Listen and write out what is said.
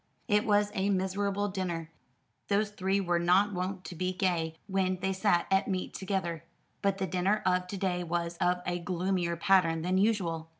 It was a miserable dinner. Those three were not wont to be gay when they sat at meat together; but the dinner of to day was of a gloomier pattern than usual.